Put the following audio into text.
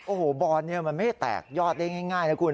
โอ้โหบอนมันไม่ได้แตกยอดได้ง่ายนะคุณ